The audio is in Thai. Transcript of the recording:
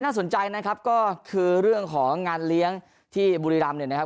สนใจนะครับก็คือเรื่องของงานเลี้ยงที่บุรีรำเนี่ยนะครับ